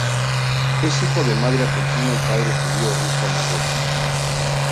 Es hijo de madre argentina y padre judío ruso-marroquí.